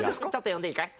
呼んでいいかい？